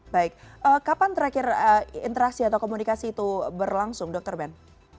baik kapan terakhir interaksi atau komunikasi itu berlangsung dr ben